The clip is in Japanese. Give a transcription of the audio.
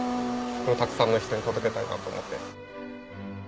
これをたくさんの人に届けたいなと思って。